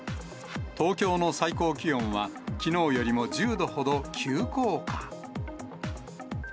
東京の最高気温はきのうよりも１０度ほど急降下。